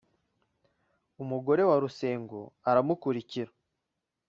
umugore wa Rusengo aramukurikira